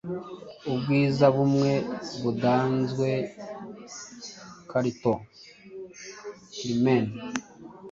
Ubwiza bumwe budaanzwe, Calito, Clymene,